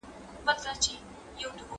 هغه وويل چي کښېناستل ضروري دي!.